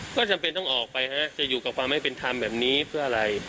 ก็จำเป็นต้องออกไปฮะจะอยู่กับความไม่เป็นธรรมแบบนี้เพื่ออะไร